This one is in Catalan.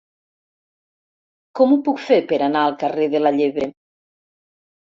Com ho puc fer per anar al carrer de la Llebre?